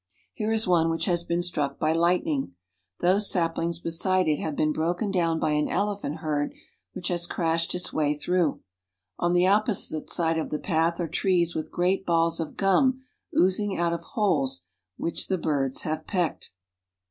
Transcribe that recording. Here is one which has been struck by lightning ; those saplings beside it have been broken down by an elephant herd which has crashed its way through. On the opposite side of the path are trees with great balls of gum oozing out of holes which the birds have pecked.